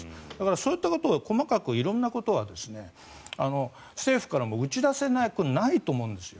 そういったことを細かく色んなことは政府からも打ち出せなくないと思うんですよ。